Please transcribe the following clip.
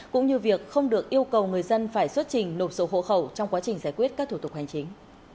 cũng như việc không được yêu cầu người dân phải xuất trình nộp sổ hộ khẩu trong quá trình giải quyết các thủ tục hành chính